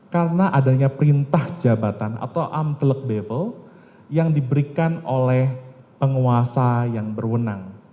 karena adanya perintah jabatan atau ampel bevel yang diberikan oleh penguasa yang berwenang